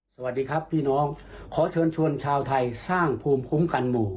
สวัสดีครับพี่น้องขอเชิญชวนชาวไทยสร้างภูมิคุ้มกันหมู่